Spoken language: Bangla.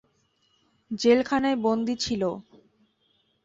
জেলখানায় বন্দী ছিল।